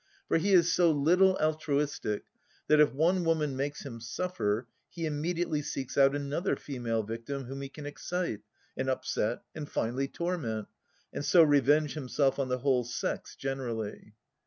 For he is so little altruistic that if one woman makes him suffer, he immediately seeks out another female victim whom he can excite, and upset and finally torment, and so revenge him self on the whole sex generally.